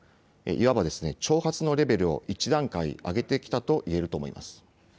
いわば挑発のレベルを１段階上げてきたと言えると思います。